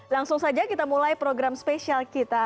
langsung saja kita mulai program spesial kita